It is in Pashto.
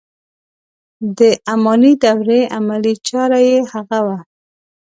د اماني دورې عملي چاره یې هغه و.